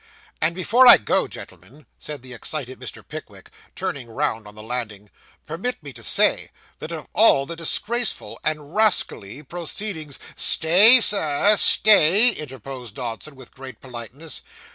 'And before I go, gentlemen,' said the excited Mr. Pickwick, turning round on the landing, 'permit me to say, that of all the disgraceful and rascally proceedings ' 'Stay, sir, stay,' interposed Dodson, with great politeness.